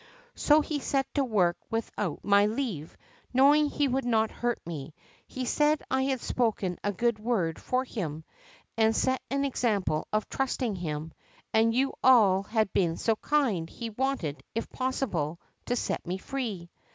So he set to work with out my leave, knowing he would not hurt me. He said I had spoken a good word for him, and set an example of trusting him, and you all had been so kind, he wanted, if possible, to set me free."